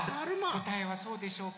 こたえはそうでしょうか？